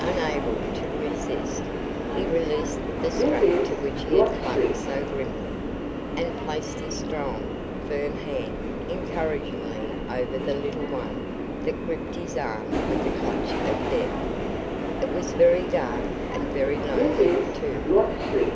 Unable to resist, he released the strap to which he had clung so grimly, and placed his strong, firm hand encouragingly over the little one that gripped his arm with the clutch of death. It was very dark and very lonely, too!